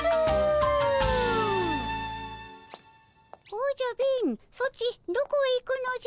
おじゃ貧ソチどこへ行くのじゃ？